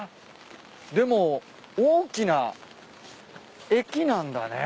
でも大きな駅なんだね。